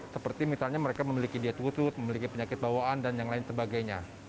seperti misalnya mereka memiliki diet wutut memiliki penyakit bawaan dan yang lain sebagainya